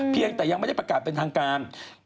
เพียงแต่ยังไม่ได้ประกาศเป็นทางการ